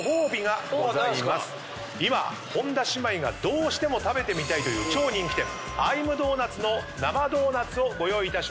今本田姉妹がどうしても食べてみたいという超人気店「Ｉ’ｍｄｏｎｕｔ？」の生ドーナツをご用意いたしました。